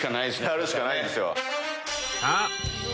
やるしかないんすよ。